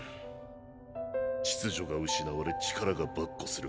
秩序が失われ力が跋扈する